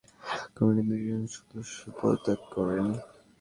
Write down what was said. এরফলে Norwegian Nobel কমিটির দুইজন সদস্য পদত্যাগ করেন।